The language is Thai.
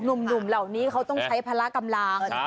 หนุ่มเหล่านี้เขาต้องใช้พละกำลัง